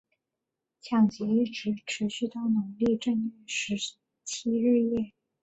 抢劫一直持续到农历正月十七日夜。